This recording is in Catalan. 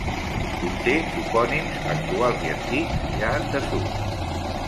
Conté topònims actuals i antics, ja en desús.